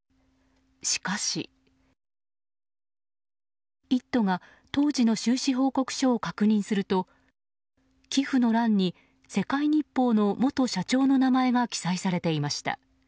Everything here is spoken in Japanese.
しかし、「イット！」が当時の収支報告書を確認すると、寄付の欄に世界日報の元社長の名前が記載されていました。